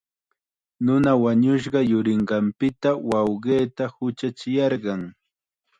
Nuna wañushqa yurinqanpita wawqiita huchachiyarqan.